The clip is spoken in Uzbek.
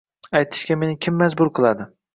aytishga meni kim majbur qiladi?